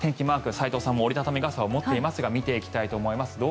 マーク斎藤さんも折り畳み傘を持っていますが見ていきたいと思います。